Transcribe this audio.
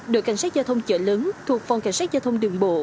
đội cảnh sát giao thông chợ lớn thuộc phòng cảnh sát giao thông đường bộ